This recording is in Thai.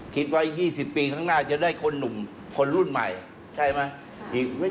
คิดว่า๒๐ปีข้างหน้าจะได้คนหนุ่มคนรุ่นใหม่ใช่ไหม